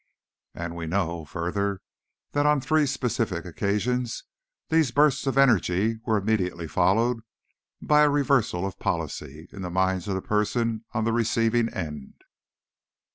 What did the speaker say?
And we know, further, that on three specific occasions, these bursts of energy were immediately followed by a reversal of policy in the mind of the person on the receiving end."